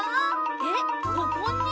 えっここに？